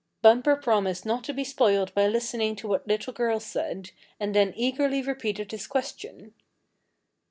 Bumper promised not to be spoilt by listening to what little girls said, and then eagerly repeated his question.